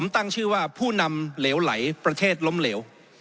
ตั้งชื่อว่าผู้นำเหลวไหลประเทศล้มเหลว